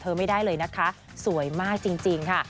ไม่ได้เลยนะคะสวยมากจริงค่ะ